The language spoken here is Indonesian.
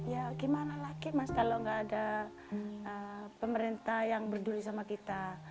ya gimana lagi mas kalau nggak ada pemerintah yang berdiri sama kita